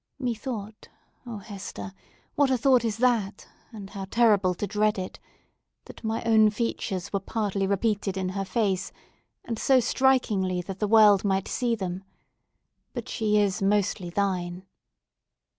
Methought—oh, Hester, what a thought is that, and how terrible to dread it!—that my own features were partly repeated in her face, and so strikingly that the world might see them! But she is mostly thine!"